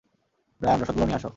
Brian, রসদগুলো নিয়ে আসো!